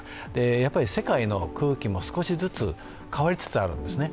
やっぱり世界の空気も少しずつ変わりつつあるんですね。